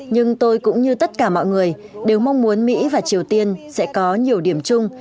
nhưng tôi cũng như tất cả mọi người đều mong muốn mỹ và triều tiên sẽ có nhiều điểm chung